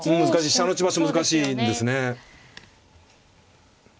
飛車の打ち場所難しいんですね。